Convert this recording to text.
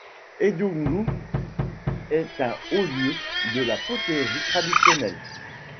Edioungou est un haut-lieu de la poterie traditionnelle.